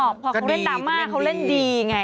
ไม่หรอกพอเขาเล่นดามาเขาเล่นดีไง